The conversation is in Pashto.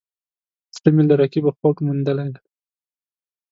زړه مې له رقیبه خوږ موندلی دی